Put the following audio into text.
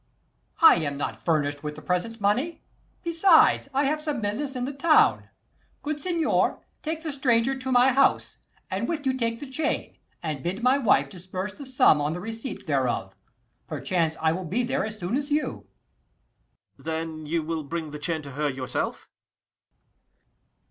E._ I am not furnish'd with the present money; Besides, I have some business in the town. 35 Good signior, take the stranger to my house, And with you take the chain, and bid my wife Disburse the sum on the receipt thereof: Perchance I will be there as soon as you. Ang. Then you will bring the chain to her yourself?